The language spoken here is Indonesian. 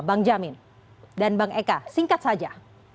bang jamin dan bang eka singkat saja